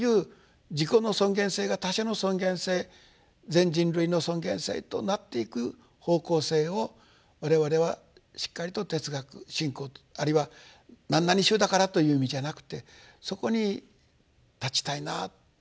自己の尊厳性が他者の尊厳性全人類の尊厳性となっていく方向性を我々はしっかりと哲学信仰あるいは何々宗だからという意味じゃなくてそこに立ちたいなと思っています。